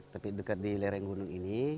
tapi dekat di lereng gunung ini